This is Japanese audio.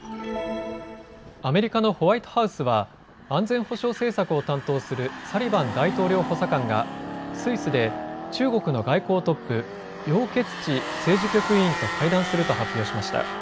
アメリカのホワイトハウスは安全保障政策を担当するサリバン大統領補佐官がスイスで中国の外交トップ、楊潔ち政治局委員と会談すると発表しました。